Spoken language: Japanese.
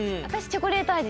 チョコレート味。